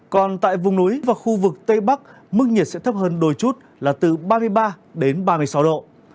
còn tại vùng núi và khu vực tây bắc mức nhiệt sẽ thấp hơn đôi chút là từ ba mươi ba đến ba mươi sáu độ